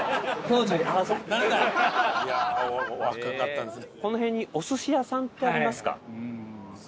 いや若かったんですね。